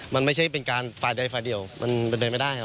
มันไม่ใช่เป็นการฝ่ายใดฝ่ายเดียวมันเป็นไปไม่ได้ครับ